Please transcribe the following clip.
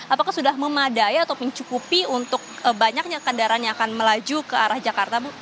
apakah sudah memadai atau mencukupi untuk banyaknya kendaraan yang akan melaju ke arah jakarta bu